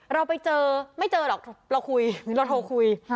เราไปเจอไม่เจอหรอกเราคุยหรือเราโทรคุย